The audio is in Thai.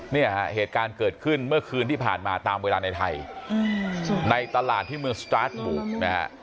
เนี่ยฮะเหตุการณ์เกิดขึ้นเมื่อคืนที่ผ่านมาตามเวลาในไทยในตลาดที่เมืองสตาร์ทบุกนะฮะ